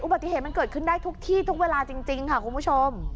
ปฏิเหตุมันเกิดขึ้นได้ทุกที่ทุกเวลาจริงค่ะคุณผู้ชม